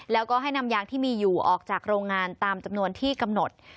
แล้วก็ให้นำยางที่มีอยู่ออกจากโรงงานตามจำนวนที่กำหนด